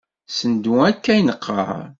Sendu akka i neqqar.